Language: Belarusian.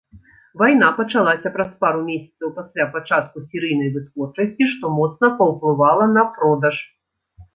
Вайна пачалася праз пару месяцаў пасля пачатку серыйнай вытворчасці, што моцна паўплывала на продаж.